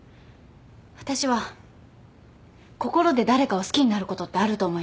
私は心で誰かを好きになることってあると思います。